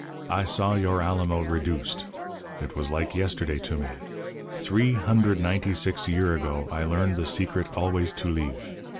I saw your Alamo reduced. It was like yesterday to me. Three hundred ninety six year ago I learn the secret always to leeve.